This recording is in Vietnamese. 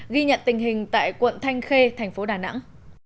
ghi nhận tình hình tại quận thanh khê thành phố đà nẵng